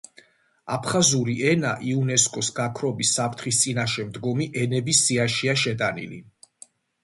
აფხაზური ენა იუნესკო-ს გაქრობის საფრთხის წინაშე მდგომი ენების სიაშია შეტანილი.